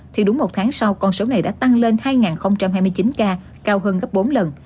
thì đúng một tháng sau con số này đã tăng lên hai hai mươi chín ca cao hơn gấp bốn lần